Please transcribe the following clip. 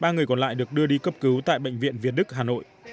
ba người còn lại được đưa đi cấp cứu tại bệnh viện việt đức hà nội